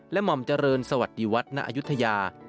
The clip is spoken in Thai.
และมอมเจริญสวัสดีวัฏนอยุธยา